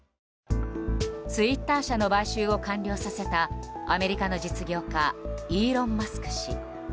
ツイッター社の買収を完了させたアメリカの実業家イーロン・マスク氏。